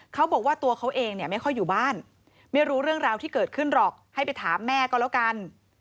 เขาบอกว่าตัวเขาเองเนี่ยไม่ค่อยอยู่บ้านไม่รู้เรื่องราวที่เกิดขึ้นหรอกให้ไปถามแม่ก็แล้วกัน